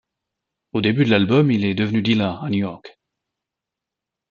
Au début de l'album, il est devenu dealer à New York.